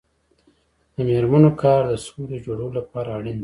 د میرمنو کار د سولې جوړولو لپاره اړین دی.